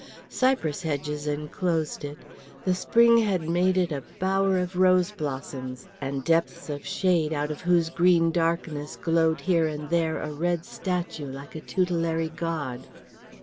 Cypress hedges enclosed it; the spring had made it a bower of rose blossoms, and depths of shade out of whose green darkness glowed here and there a red statue like a tutelary god.